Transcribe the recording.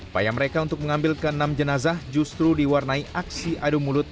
payah mereka untuk mengambil ke enam jenazah justru diwarnai aksi adu mulut